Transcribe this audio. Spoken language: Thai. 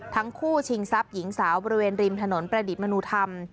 ทั้งคู่ชิงซับหญิงสาวบริเวณริมถนนประดิษฐ์มนุธรรม